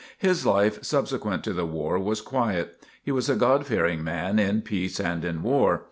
His life subsequent to the war was quiet. He was a God fearing man in peace and in war.